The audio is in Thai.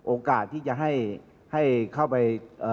โอกาสที่จะให้เข้าไป